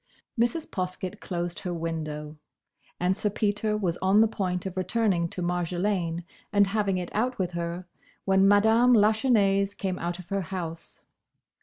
Mrs. Poskett closed her window, and Sir Peter was on the point of returning to Marjolaine and having it out with her, when Madame Lachesnais came out of her house.